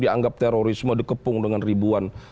dianggap terorisme dikepung dengan ribuan